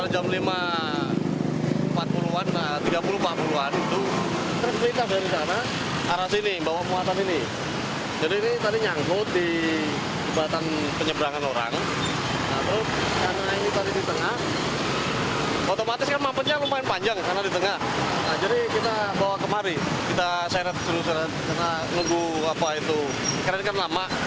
jadi kita bawa kemari kita seret dulu karena menunggu kredit kan lama